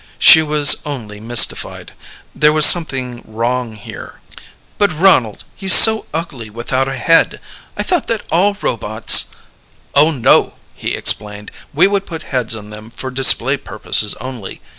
She was only mystified. There was something wrong here. "But Ronald, he's so ugly without a head. I thought that all robots " "Oh, no," he explained, "we would put heads on them for display purposes only.